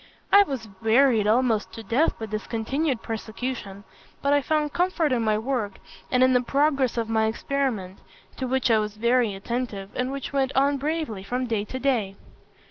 I was wearied almost to death by this continued persecution; but I found comfort in my work and in the progress of my experiment, to which I was very attentive, and which went on bravely from day to day.